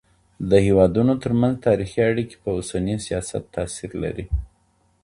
د هیوادونو ترمنځ تاریخي اړیکي په اوسني سیاست تاثیر لري.